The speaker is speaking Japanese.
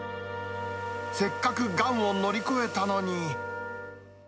せっかくがんを乗り越えたのに。